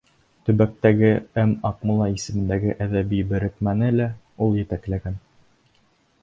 Төбәктәге М. Аҡмулла исемендәге әҙәби берекмәне лә ул етәкләгән.